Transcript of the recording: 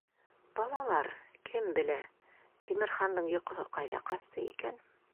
Балалар, кем белә, Тимерхандың йоҡоһо ҡайҙа ҡасты икән?